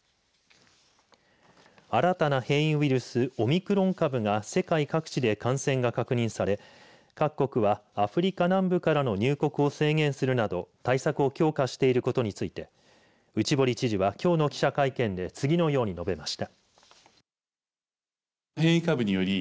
新たな変異ウイルスオミクロン株が世界各地で感染が確認され各国はアフリカ南部からの入国を制限するなど対策を強化していることについて内堀知事はきょうの記者会見で次のように述べました。